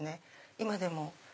今でも。